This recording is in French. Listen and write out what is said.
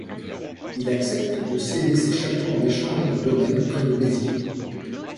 Il accepte de céder ses châteaux en échange de domaines près de Béziers.